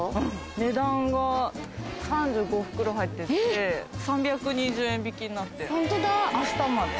値段が３５袋入ってて３２０円引きになってる明日まで。